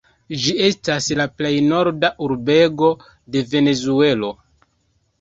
Ĝi estas la plej norda urbego de Venezuelo.